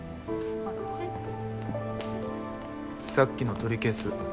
さっきの取り消す。